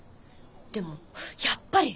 でもやっぱり変。